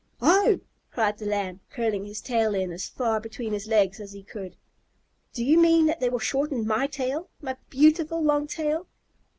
"Oh!" cried the Lamb, curling his tail in as far between his legs as he could, "do you mean that they will shorten my tail, my beautiful long tail?"